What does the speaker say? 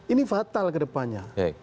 ini fatal ke depannya